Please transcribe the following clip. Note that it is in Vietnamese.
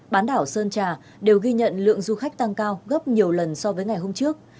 bán đảo sơn trà đều ghi nhận lượng du khách tăng cao gấp nhiều lần so với ngày hôm trước